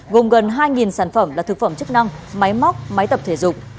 gồm gần hai sản phẩm là thực phẩm chức năng máy móc máy tập thể dục